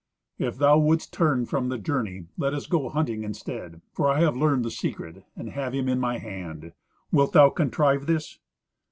"If thou wouldst turn from the journey, let us go hunting instead; for I have learned the secret, and have him in my hand. Wilt thou contrive this?"